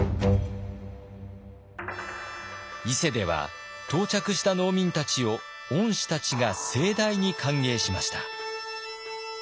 伊勢では到着した農民たちを御師たちが盛大に歓迎しました。